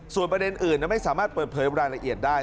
ส่วนประเด็นอื่นไม่สามารถเปิดเผยรายละเอียดได้